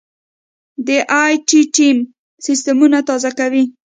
دا ائ ټي ټیم سیستمونه تازه کوي.